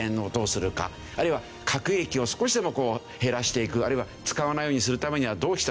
あるいは核兵器を少しでも減らしていくあるいは使わないようにするためにはどうしたらいいか。